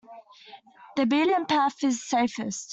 The beaten path is safest.